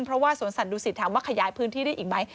เพราะว่าสวนสัตว์ดูสิตถามว่าขยายพื้นที่ได้อีกไหม